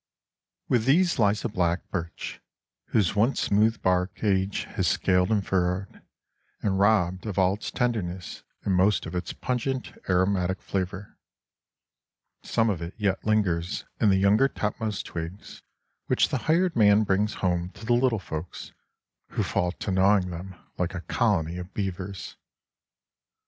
With these lies a black birch, whose once smooth bark age has scaled and furrowed, and robbed of all its tenderness and most of its pungent, aromatic flavor. Some of it yet lingers in the younger topmost twigs which the hired man brings home to the little folks, who fall to gnawing them like a colony of beavers.